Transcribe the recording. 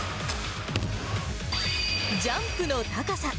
ジャンプの高さ。